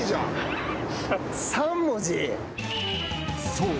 ［そう！